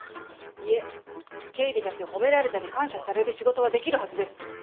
いえ経理だって褒められたり感謝される仕事はできるはずです。